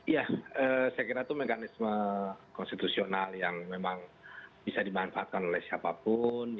ya saya kira itu mekanisme konstitusional yang memang bisa dimanfaatkan oleh siapapun